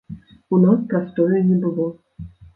У нас прастою не было.